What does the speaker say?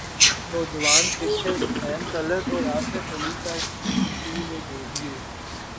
نوجوان کرکٹر حسین طلعت اور اصف علی کا ٹی میں ڈیبیو